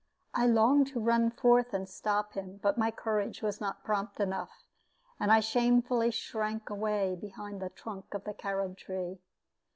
I longed to run forth and stop him, but my courage was not prompt enough, and I shamefully shrank away behind the trunk of the carob tree.